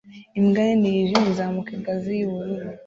Imbwa nini yijimye izamuka ingazi yubururu